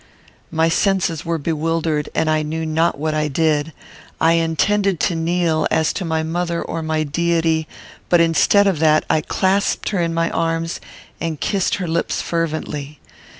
My senses were bewildered, and I knew not what I did. I intended to kneel, as to my mother or my deity; but, instead of that, I clasped her in my arms, and kissed her lips fervently.